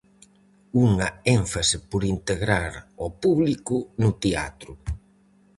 Unha énfase por integrar ao público no teatro.